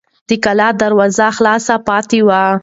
د کلا دروازه خلاصه پاتې وه.